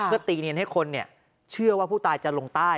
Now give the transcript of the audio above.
ก็ตีเนียนให้คนเนี่ยเชื่อว่าผู้ตายจะลงใต้